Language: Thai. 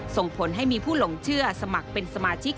ส่งผลให้มีผู้หลงเชื่อสมัครเป็นสมาชิก